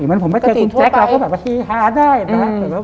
มันผมว่าผมไปเจอกับคุณจัคผมก็แบบว่าพีฮาได้นะ